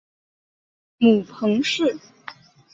母彭氏。